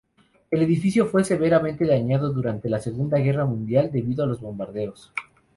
El edificio fue severamente dañado durante la Segunda Guerra Mundial debido a los bombardeos.